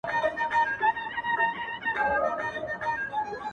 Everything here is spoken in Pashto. • لاس يې د ټولو کايناتو آزاد ـ مړ دي سم ـ